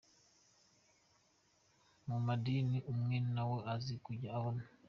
Mu madini amwe nawe uzi, ujya ubona.